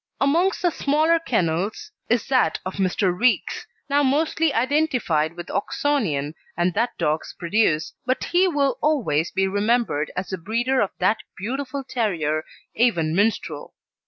Amongst the smaller kennels is that of Mr. Reeks, now mostly identified with Oxonian and that dog's produce, but he will always be remembered as the breeder of that beautiful terrier, Avon Minstrel.